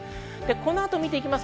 この後、見ていきます。